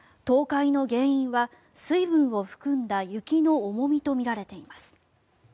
倒壊の原因は水分を含んだ雪の重みとみられています。